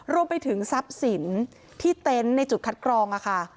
รวมไปถึงทรัพย์สินที่เต็นต์ในจุดคัดกรองค่ะ